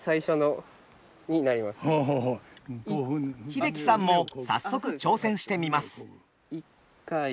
英樹さんも早速挑戦してみます。